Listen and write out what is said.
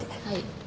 はい。